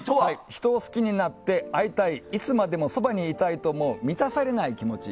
人を好きになって会いたいいつまでもそばにいたいと思う満たされない気持ち。